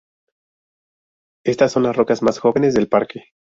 Estas son las rocas más jóvenes del parque.